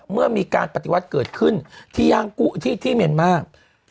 เมื่อมีการปฏิวัติเกิดขึ้นที่ย่างกุที่เมียนมาร์